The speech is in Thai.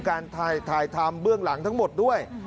การถ่ายทำเบื้องหลังทั้งหมดด้วย